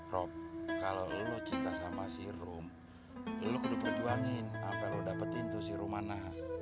rob kalau lu cinta sama si rom lu perlu perjuangin sampai lu dapetin tuh si romana